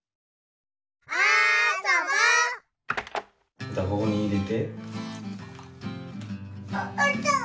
ふたここにいれて。